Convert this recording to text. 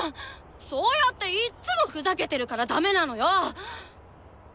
そうやっていっつもふざけてるからダメなのよ！